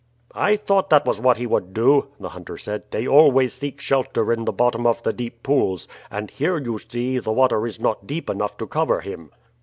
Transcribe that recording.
"I thought that was what he would do," the hunter said. "They always seek shelter in the bottom of the deep pools; and here, you see, the water is not deep enough to cover him."